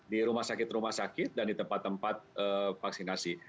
di rumah sakit rumah sakit dan di tempat tempat vaksinasi